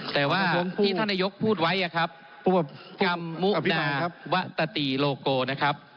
แต่ว่าที่ท่านนายกพูดไว้ครับมุนาวะตตีโลโกนะครับ